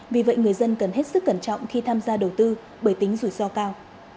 vì vậy người dân cần hết sức cẩn trọng khi tham gia đầu tư bởi tính rủi ro cao